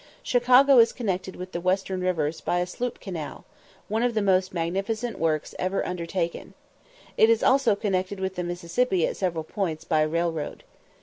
Chicago is connected with the western rivers by a sloop canal one of the most magnificent works ever undertaken. It is also connected with the Mississippi at several points by railroad.